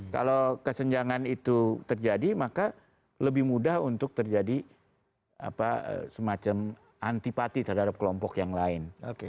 kalau kesenjangan itu terjadi maka lebih mudah untuk terjadi semacam antipati terhadap kelompok yang lain